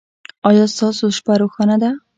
ایا ستاسو شپه روښانه ده؟